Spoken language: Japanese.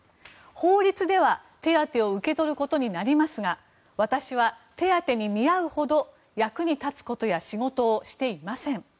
法律では手当を受け取ることになりますが私は手当に見合うほど役に立つことや仕事をしていません。